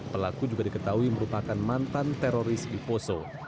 pelaku juga diketahui merupakan mantan teroris di poso